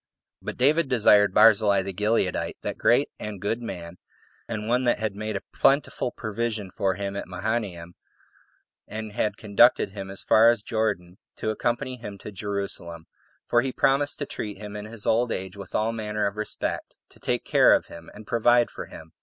4. But David desired Barzillai the Gileadite, that great and good man, and one that had made a plentiful provision for him at Mahanaim, and had conducted him as far as Jordan, to accompany him to Jerusalem, for he promised to treat him in his old age with all manner of respectto take care of him, and provide for him.